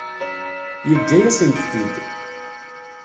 Yeǧǧa-yasent-t-id.